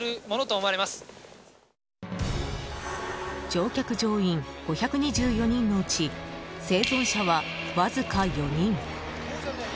乗客・乗員５２４人のうち生存者はわずか４人。